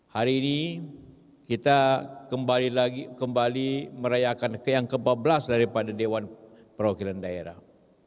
hari ini kita kembali lagi kembali merayakan yang ke empat belas daripada dewan perwakilan daerah